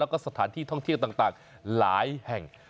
แล้วก็สถานที่ท่องเที่ยวต่างหลายแห่ง